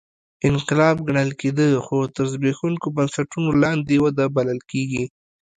انقلاب ګڼل کېده خو تر زبېښونکو بنسټونو لاندې وده بلل کېږي